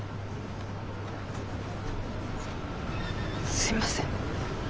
すいません。